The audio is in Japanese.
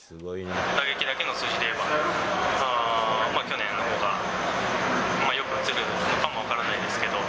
打撃だけの数字で言えば、去年のほうがよくうつるのかも分からないですけど。